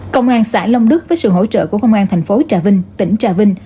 công an xã long đức với sự hỗ trợ của công an thành phố trà vinh tỉnh trà vinh